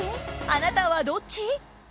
あなたはどっち？